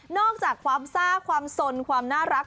อกจากความซ่าความสนความน่ารัก